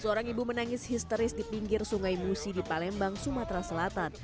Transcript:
seorang ibu menangis histeris di pinggir sungai musi di palembang sumatera selatan